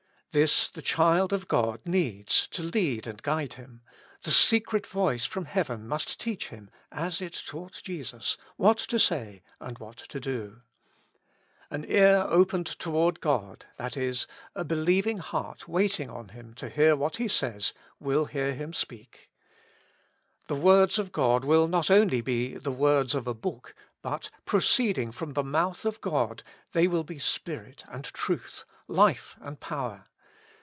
This the child of God needs to lead and guide him; the secret voice from heaven must teach him, as it taught Jesus, what to say and what to do. An ear opened toward God, that is, a believing heart waiting on Him to hear what He says, will hear Him speak. The words of God will not only be the words of a Book, but, proceeding from the mouth of God, they will be spirit and truth, life and power.